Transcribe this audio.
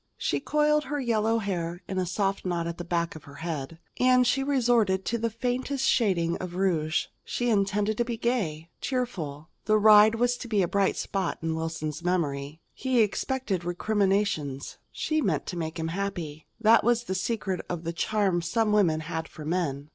She coiled her yellow hair in a soft knot at the back of her head, and she resorted to the faintest shading of rouge. She intended to be gay, cheerful. The ride was to be a bright spot in Wilson's memory. He expected recriminations; she meant to make him happy. That was the secret of the charm some women had for men.